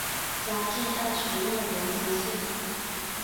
嘉靖二十六年知县。